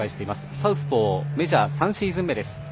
サウスポーメジャー３シーズン目。